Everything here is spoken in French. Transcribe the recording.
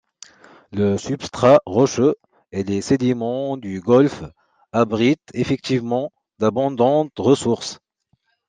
Le substrat rocheux et les sédiments du golfe abritent effectivement d’abondantes ressources.